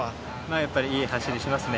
やっぱりいい走りしますね。